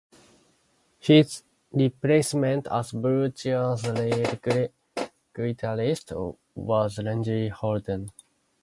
His replacement as Blue Cheer's lead guitarist was Randy Holden.